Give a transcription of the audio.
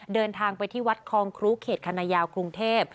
เดินทางไปที่วัดคลองครุเขตคณะยาวกรุงเทพ